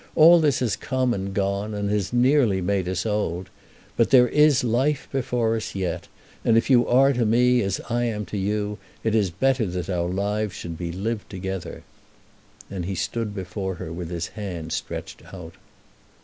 All this has come, and gone, and has nearly made us old. But there is life before us yet, and if you are to me as I am to you it is better that our lives should be lived together." Then he stood before her with his hand stretched out.